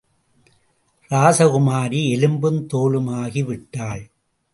ராசகுமாரி எலும்பும் தோலுமாகிவிட்டாள்.